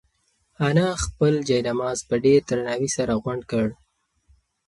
انا خپل جاینماز په ډېر درناوي سره غونډ کړ.